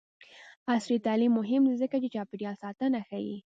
عصري تعلیم مهم دی ځکه چې چاپیریال ساتنه ښيي.